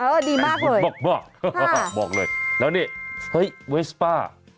ดีมากเลยบอกบอกเลยแล้วนี่เฮ้ยเวสป้า